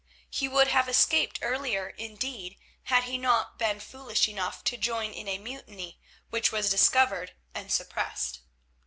He would have escaped earlier indeed, had he not been foolish enough to join in a mutiny, which was discovered and suppressed.